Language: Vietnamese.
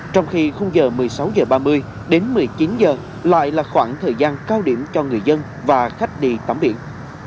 trong khi khung giờ một mươi sáu h ba mươi đến một mươi chín h lại là khoảng thời gian cao điểm cho người dân và khách đi tắm biển